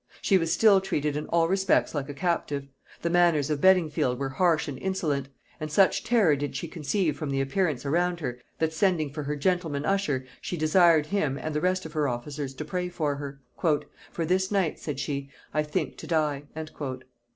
She was still treated in all respects like a captive: the manners of Beddingfield were harsh and insolent; and such terror did she conceive from the appearances around her, that sending for her gentleman usher, she desired him and the rest of her officers to pray for her; "For this night," said she, "I think to die."